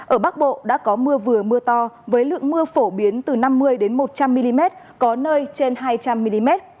ở bắc bộ đã có mưa vừa mưa to với lượng mưa phổ biến từ năm mươi một trăm linh mm có nơi trên hai trăm linh mm